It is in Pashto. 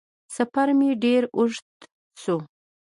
سفر مې ډېر اوږد شو